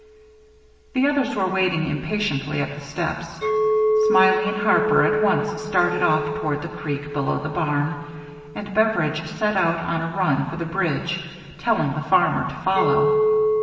The others were waiting impatiently at the steps. Smiley and Harper at once started off toward the creek below the barn ; and Bever idge set out on a run for the bridge, telling the farmer to follow.